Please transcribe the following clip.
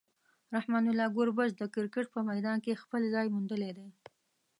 رحمان الله ګربز د کرکټ په میدان کې خپل ځای موندلی دی.